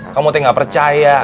kamu tuh gak percaya